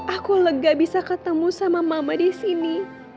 aku lega bisa ketemu sama mama di sini